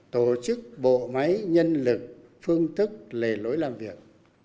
tổ chức bộ máy nhân lực phương thức lề lối làm việc